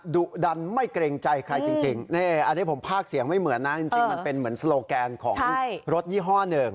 ดุดันไม่เกรงใจใครจริงอันนี้ผมภาคเสียงไม่เหมือนนะจริงมันเป็นเหมือนโลแกนของรถยี่ห้อหนึ่ง